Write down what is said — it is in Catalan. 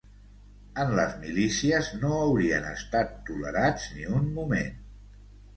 En les milícies, no haurien estat tolerats ni un moment.